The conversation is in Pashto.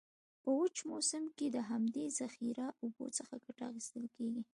په وچ موسم کې د همدي ذخیره اوبو څخه کټه اخیستل کیږي.